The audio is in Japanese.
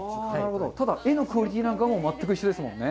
ただ絵のクオリティーも全く一緒ですね。